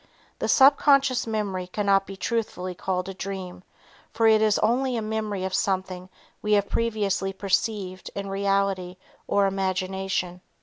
The subconscious memory cannot be truthfully called a dream, for it is only a memory of something we have previously perceived in reality or imagination.